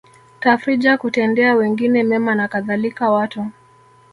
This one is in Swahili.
tafrija kutendea wengine mema na kadhalika Watu